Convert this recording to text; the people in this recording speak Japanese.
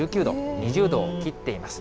２０度を切っています。